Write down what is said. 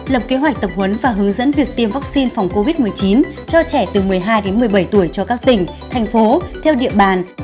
lập kế hoạch tập huấn và hướng dẫn việc tiêm vaccine phòng covid một mươi chín cho trẻ từ một mươi hai đến một mươi bảy tuổi cho các tỉnh thành phố theo địa bàn